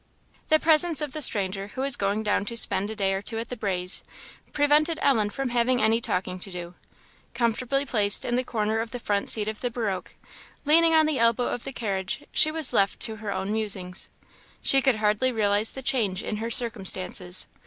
The presence of the stranger, who was going down to spend a day or two at "the Braes," prevented Ellen from having any talking to do. Comfortably placed in the corner of the front seat of the barouche, leaning on the elbow of the carriage, she was left to her own musings. She could hardly realize the change in her circumstances.